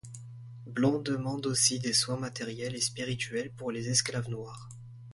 Blanc demande aussi des soins matériels et spirituels pour les esclaves noirs.